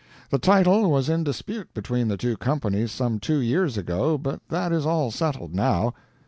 The title was in dispute between the two companies some two years ago, but that is all settled now.